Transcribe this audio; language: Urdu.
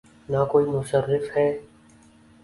نہ کوئی مصرف ہے۔